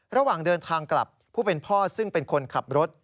ระหว่างเดินทางกลับผู้เป็นพ่อซึ่งเป็นคนขับรถ